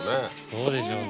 そうでしょうね。